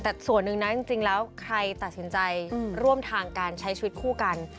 แต่ส่วนหนึ่งนะจริงแล้วใครตัดสินใจร่วมทางการใช้ชีวิตคู่กัน